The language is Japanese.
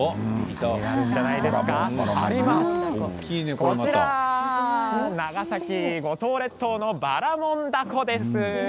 こちら、長崎五島列島のばらもん凧です。